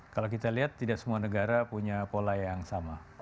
kalau kita lihat tidak semua negara punya pola yang sama